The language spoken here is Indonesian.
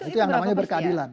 itu yang namanya berkeadilan